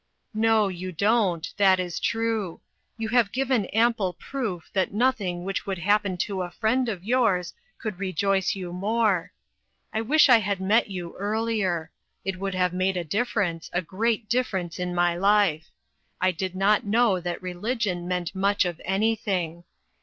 "No, you don't; that is true. You have given ample proof that nothing which could happen to a friend of yours could rejoice you more. I wish I had met you earlier ; it would have made a difference, a great difference in my life. I did not know that religion meant much of anything.